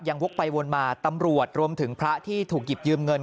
วกไปวนมาตำรวจรวมถึงพระที่ถูกหยิบยืมเงิน